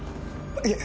いえ